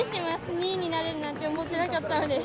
２位になれるなんて思ってなかったので。